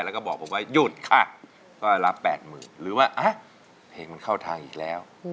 แล้วก็บอกผมว่าหยุดค่ะก็รับ๘๐๐๐หรือว่าเพลงมันเข้าทางอีกแล้ว